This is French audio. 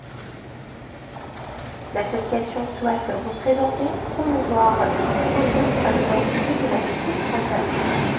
L’association souhaite représenter, promouvoir et transmettre l’identité de la cuisine française.